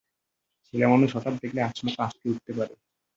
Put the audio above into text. ছেলেমানুষ হঠাৎ দেখলে আচমকা আঁতকে উঠতে পারে।